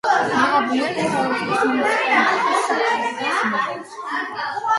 მიღებულია ჩხოროწყუს მუნიციპალიტეტის საკრებულოს მიერ.